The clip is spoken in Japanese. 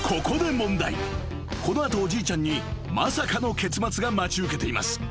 ［この後おじいちゃんにまさかの結末が待ち受けています］